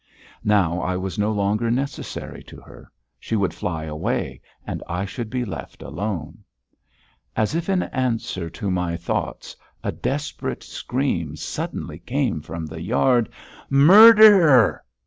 Now I was no longer necessary to her; she would fly away and I should be left alone. As if in answer to my thoughts a desperate scream suddenly came from the yard: "Mur der!"